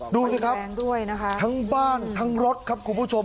ดูสิครับทั้งบ้านทั้งรถครับคุณผู้ชม